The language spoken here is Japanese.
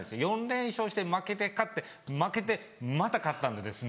４連勝して負けて勝って負けてまた勝ったんでですね。